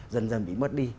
dần dần bị mất đi